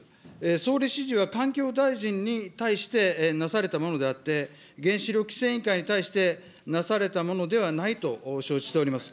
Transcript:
総理指示は環境大臣に対してなされたものであって、原子力規制委員会に対してなされたものではないと承知しております。